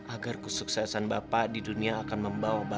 agar kesuksesan bapak di dunia akan membangunnya